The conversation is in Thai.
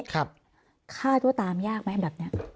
ฆ่าตัวตามยากไหมแบบนี้